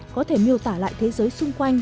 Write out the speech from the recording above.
có thể miêu tả lại thế giới xung quanh